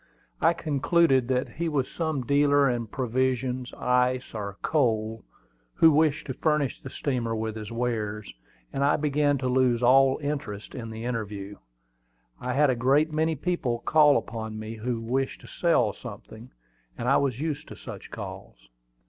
I concluded that he was some dealer in provisions, ice, or coal, who wished to furnish the steamer with his wares; and I began to lose all interest in the interview. I had a great many people call upon me who wished to sell something, and I was used to such calls.